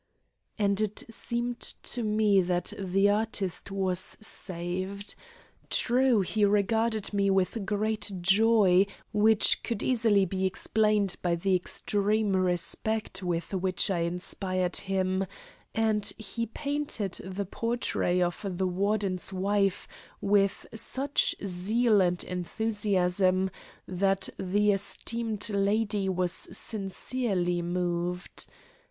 And it seemed to me that the artist was saved. True, he regarded me with great joy, which could easily be explained by the extreme respect with which I inspired him, and he painted the portrait of the Warden's wife with such zeal and enthusiasm that the esteemed lady was sincerely moved.